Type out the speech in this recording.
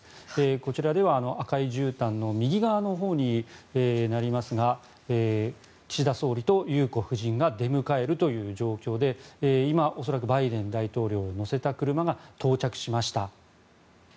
こちらでは赤いじゅうたんの右側のほうになりますが岸田総理と裕子夫人が出迎えるという状況で今、恐らくバイデン大統領を乗せた車が到着しました。